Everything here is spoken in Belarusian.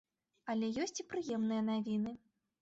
Але ёсць і прыемныя навіны.